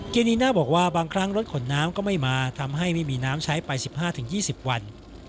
นีน่าบอกว่าบางครั้งรถขนน้ำก็ไม่มาทำให้ไม่มีน้ำใช้ไป๑๕๒๐วัน